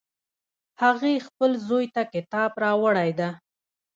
هغې خپل زوی ته کتاب راوړی ده